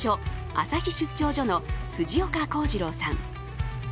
朝日出張所の辻岡宏二郎さん。